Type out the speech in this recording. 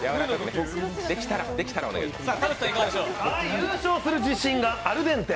優勝する自信がアルデンテ！